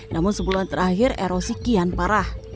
namun sebulan terakhir erosi kian parah